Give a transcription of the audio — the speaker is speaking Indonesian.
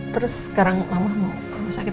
terus sekarang mama mau ke rumah sakit